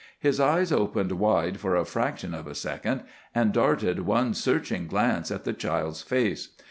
His eyes opened wide for a fraction of a second, and darted one searching glance at the child's face.